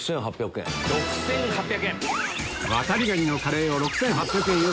６８００円。